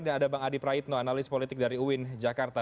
dan ada bang adi praitno analis politik dari uin jakarta